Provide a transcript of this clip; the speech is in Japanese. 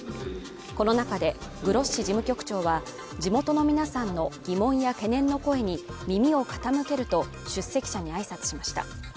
この中でグロッシ事務局長は地元の皆さんの疑問や懸念の声に耳を傾けると、出席者に挨拶しました。